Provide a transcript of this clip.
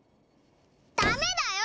ダメだよ！